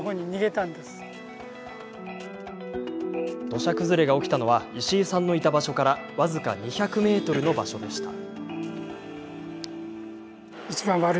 土砂崩れが起きたのは石井さんのいた場所から僅か２００ｍの場所でした。